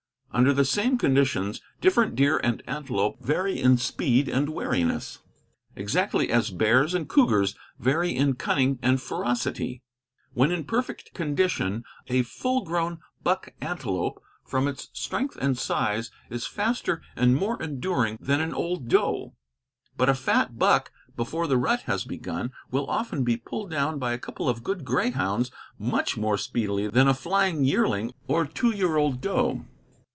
Under the same conditions different deer and antelope vary in speed and wariness, exactly as bears and cougars vary in cunning and ferocity. When in perfect condition a full grown buck antelope, from its strength and size, is faster and more enduring than an old doe; but a fat buck, before the rut has begun, will often be pulled down by a couple of good greyhounds much more speedily than a flying yearling or two year old doe.